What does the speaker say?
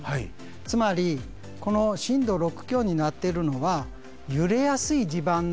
つまりこの震度６強になってるのは揺れやすい地盤の場所